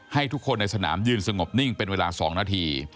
ให้ทุกคนในสนามยืนสงบนิ่งเป็นเวลา๒นาที